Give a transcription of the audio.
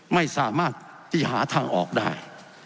ไม่สามารถที่หาทางออกได้